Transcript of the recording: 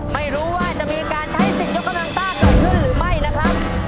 ไม่รู้ว่าจะมีการใช้สิทธิ์ยกกำลังซ่าเกิดขึ้นหรือไม่นะครับ